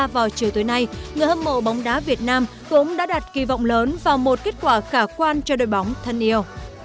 vào chiều tối nay người hâm mộ bóng đá việt nam cũng đã đặt kỳ vọng lớn vào một kết quả khả quan cho đội bóng thân yêu